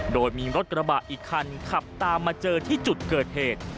โดยมีรถกระบะอีกคันขับตามมาเจอที่จุดเกิดเหตุ